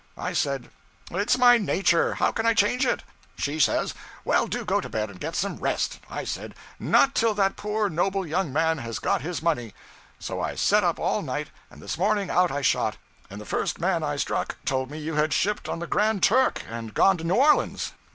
I said, "It's my nature; how can I change it?" She says, "Well, do go to bed and get some rest." I said, "Not till that poor, noble young man has got his money." So I set up all night, and this morning out I shot, and the first man I struck told me you had shipped on the "Grand Turk" and gone to New Orleans.